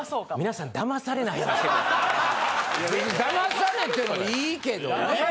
騙されてもいいけどね。